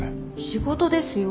仕事ですよ。